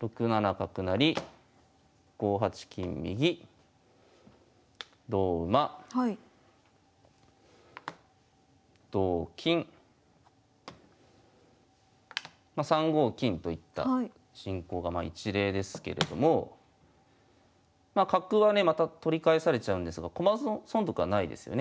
６七角成５八金右同馬同金ま３五金といった進行が一例ですけれども角はねまた取り返されちゃうんですが損得はないですよね。